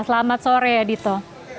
selamat sore ya dito